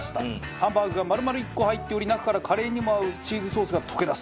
ハンバーグが丸々１個入っており中からカレーにも合うチーズソースが溶け出す。